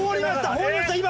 放りました今！